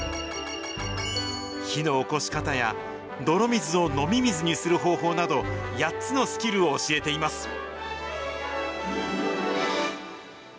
火のおこし方や、泥水を飲み水にする方法など、８つのスキルを教えています。